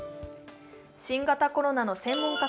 新型コロナの専門家